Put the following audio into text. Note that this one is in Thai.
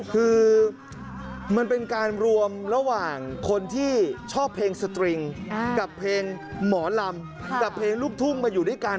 คือมันเป็นการรวมระหว่างคนที่ชอบเพลงสตริงกับเพลงหมอลำกับเพลงลูกทุ่งมาอยู่ด้วยกัน